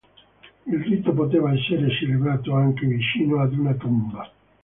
Il rito poteva essere celebrato anche vicino ad una tomba.